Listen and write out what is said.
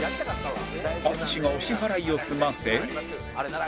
淳がお支払いを済ませ